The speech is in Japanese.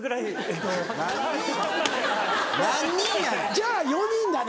じゃあ４人だね。